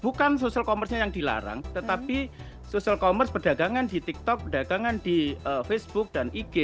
bukan social commerce nya yang dilarang tetapi social commerce perdagangan di tiktok perdagangan di facebook dan ig